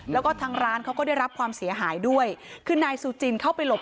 แล้วก็ทางร้านเขาก็ได้รับความเสียหายด้วยคือนายซูจินเข้าไปหลบ